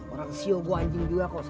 orang sio gue anjing juga kok